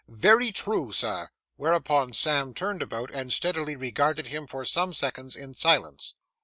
Very true, sir;' whereupon Sam turned about and steadily regarded him for some seconds in silence.